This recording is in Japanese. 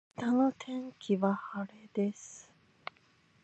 明日の天気は晴れです